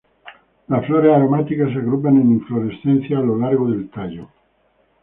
Las flores aromáticas se agrupan en inflorescencias a lo largo del tallo.